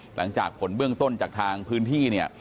หลังจากผลเบื้องต้นจากทางพื้นที่เนี่ย